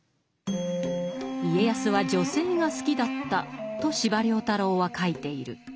家康は女性が好きだったと司馬太郎は書いている。